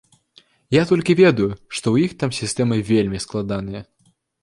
Я толькі ведаю, што ў іх там сістэма вельмі складаная.